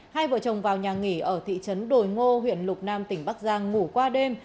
hai vợ chồng vào nhà nghỉ ở thị trấn đồi ngô huyện lục nam tỉnh bắc giang ngủ qua đêm